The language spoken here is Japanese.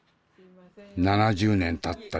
７０年たった